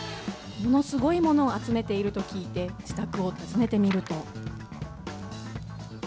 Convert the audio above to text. ものすごいものを集めていると聞いて、自宅を訪ねてみると。